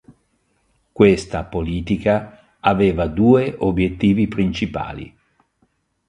Questa politica aveva due obiettivi principali.